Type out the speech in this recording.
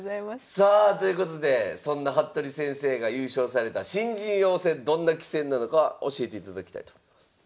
さあということでそんな服部先生が優勝された新人王戦どんな棋戦なのか教えていただきたいと思います。